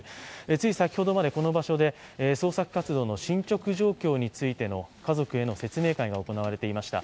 つい先ほどまでこの場所で捜索活動の進捗状況についての家族への説明会が行われていました。